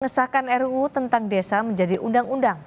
mengesahkan ruu tentang desa menjadi undang undang